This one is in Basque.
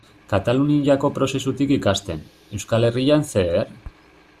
Kataluniako prozesutik ikasten, Euskal Herrian zer?